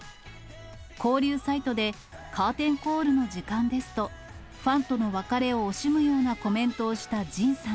交流サイトで、カーテンコールの時間ですと、ファンとの別れを惜しむようなコメントをしたＪＩＮさん。